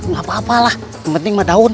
gapapa lah penting mah daun